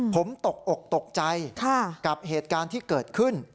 ผมตกอกตกใจกับเหตุการณ์ที่เกิดขึ้น